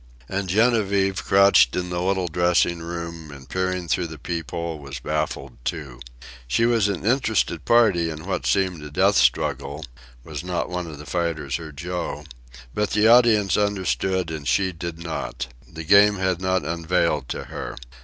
And Genevieve, crouched in the little dressing room and peering through the peep hole, was baffled, too. She was an interested party in what seemed a death struggle was not one of the fighters her Joe? but the audience understood and she did not. The Game had not unveiled to her.